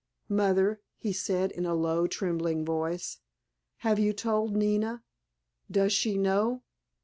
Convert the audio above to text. "Mother," he said in a low trembling voice, "have you told Nina—does she know?"